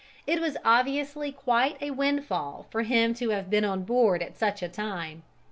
It was obviously quite a windfall for him to have been on board at such a time.